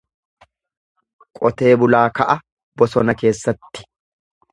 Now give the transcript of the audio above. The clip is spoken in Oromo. Qotee bulaa ka'a bosona keessatti.